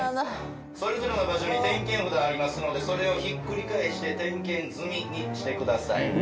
それぞれの場所に点検札ありますのでそれをひっくり返して点検済みにしてください。